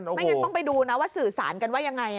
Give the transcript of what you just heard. ไม่งั้นต้องไปดูนะว่าสื่อสารกันว่ายังไง